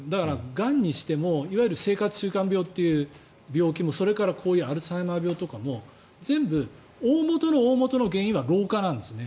がんにしてもいわゆる生活習慣病という病気もそれからこういうアルツハイマー病というのも全部、大本の大本の原因は老化なんですね。